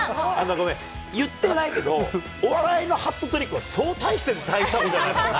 ごめん、言ってないけど、お笑いのハットトリックはそうたいしたものじゃないからな。